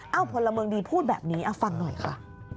เอาพลเมืองดีพูดแบบนี้ฟังหน่อยค่ะ